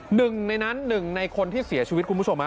หนึ่งในนั้นหนึ่งในคนที่เสียชีวิตคุณผู้ชม